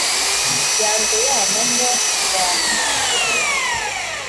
yanze ya manywa rwahangu,